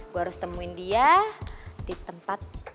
gue harus temuin dia di tempat